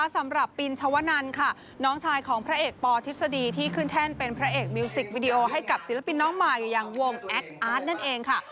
สำหรับปินชวนันค่ะน้องชายของพระเอกปอทฤษฎีที่ขึ้นแท่นเป็นพระเอกมิวสิกวิดีโอให้กับศิลปินน้องใหม่อย่างวงแอคอาร์ตนั่นเองค่ะ